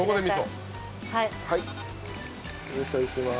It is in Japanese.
味噌いきます。